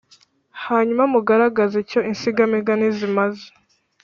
hanyuma mugaragaze icyo insigamigani zimaze